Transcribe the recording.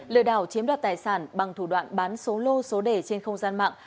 lừa đảo chiếm đoạt tài sản bằng thủ đoạn bán số lô số đề trên không gian mạng